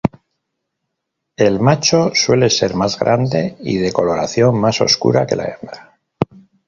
El macho suele ser más grande y de coloración más oscura que la hembra.